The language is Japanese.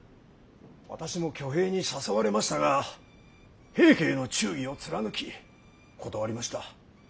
私も挙兵に誘われましたが平家への忠義を貫き断りました。